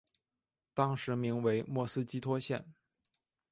当时名为莫斯基托县。